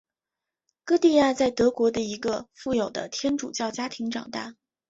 歌地亚在德国的一个富有的天主教家庭长大。